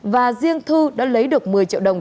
và riêng thu đã lấy được một mươi triệu đồng